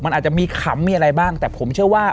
มันอาจจะมีขำมีอะไรบ้างแต่ผมเชื่อว่า